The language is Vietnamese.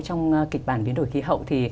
trong kịch bản biến đổi khí hậu